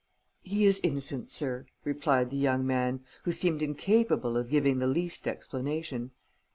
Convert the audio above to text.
"He is innocent, sir," replied the young man, who seemed incapable of giving the least explanation.